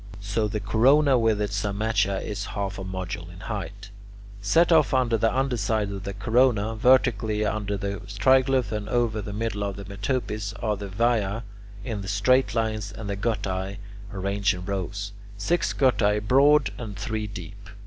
So the corona with its cymatia is half a module in height. Set off on the under side of the corona, vertically over the triglyphs and over the middle of the metopes, are the viae in straight lines and the guttae arranged in rows, six guttae broad and three deep.